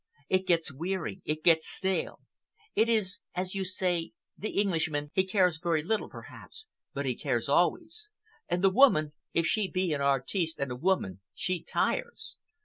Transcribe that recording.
It gets weary. It gets stale. It is as you say,—the Englishman he cares very little, perhaps, but he cares always; and the woman, if she be an artiste and a woman, she tires.